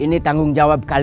ini tanggung jawab kalian